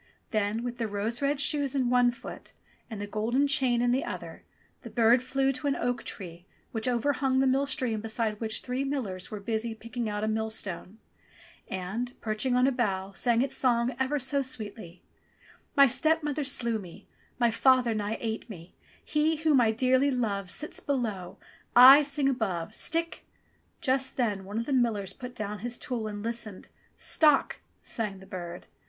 Then with the rose red shoes in one foot and the golden chain in the other, the bird flew to an oak tree which overhung the mill stream beside which three millers were busy picking out a millstone, and, perching on a bough, sang its song ever so sweetly : "My stepmother slew me, My father nigh ate me, He whom I dearly love Sits below, I sing above, Stick !—" Just then one of the millers put down his tool and listened. "Stock !" sang the bird.